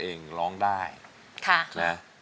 เพลงที่๒นะครับ